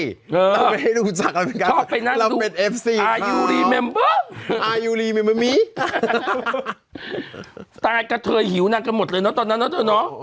ต้องไปให้รู้จักอะไรเป็นกันเราเป็นเอฟซีเธอเฮียวนั่งกันหมดเลยเนาะตอนนั้นเนาะเธอเนาะ